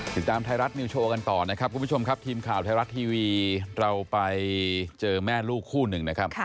ติดตามไทยรัฐนิวโชว์กันต่อนะครับคุณผู้ชมครับทีมข่าวไทยรัฐทีวีเราไปเจอแม่ลูกคู่หนึ่งนะครับ